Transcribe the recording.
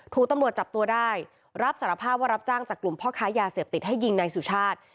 ถูกตำรวจจับตัวได้รับสารภาพว่ารับจ้างจากกลุ่มพ่อค้ายาเสพติดให้ยิงนายสุชาติ